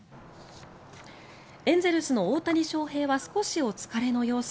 エンゼルスの大谷翔平は少しお疲れの様子。